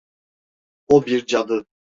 O bir cadı.